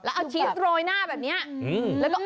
แล้วเอาชีสโรยหน้าแบบนี้